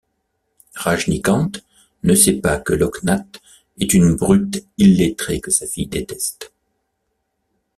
Rajnikhant ne sait pas que Loknath est une brute illettrée que sa fille déteste.